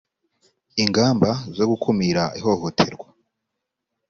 ingamba zo gukumira ihohoterwa.